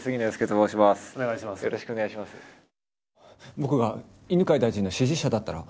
僕が犬飼大臣の支持者だったら。